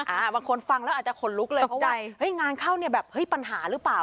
บางคนฟังแล้วอาจจะขนลุกเลยเพราะว่าเฮ้ยงานเข้าเนี่ยแบบเฮ้ยปัญหาหรือเปล่า